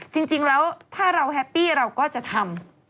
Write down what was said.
จริงแล้วถ้าเราแฮปปี้เราก็จะทำ